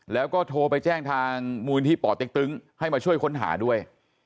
แล้วก็โทรไปแจ้งทางมูลนิธิป่อเต็กตึงให้มาช่วยค้นหาด้วย